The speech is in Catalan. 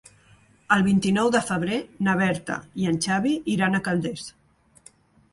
El vint-i-nou de febrer na Berta i en Xavi iran a Calders.